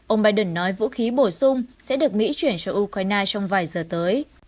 ông biden nói vũ khí bổ sung sẽ được mỹ chuyển cho ukraine trong vài giờ tới